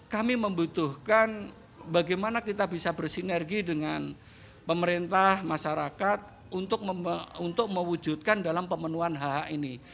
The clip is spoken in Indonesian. kami membutuhkan bagaimana kita bisa bersinergi dengan pemerintah masyarakat untuk mewujudkan dalam pemenuhan hak hak ini